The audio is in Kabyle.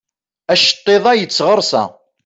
Aceṭṭiḍ-a yettɣersa.